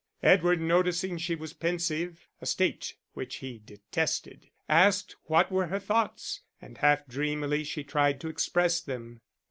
Edward, noticing she was pensive, a state which he detested, asked what were her thoughts; and half dreamily she tried to express them.